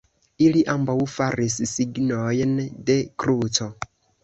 Ili ambaŭ faris signojn de kruco.